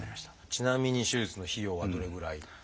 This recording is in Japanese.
ちなみに手術の費用はどれぐらい？